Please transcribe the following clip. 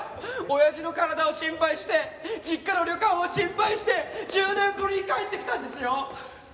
親父の体を心配して実家の旅館を心配して１０年ぶりに帰ってきたんですよ！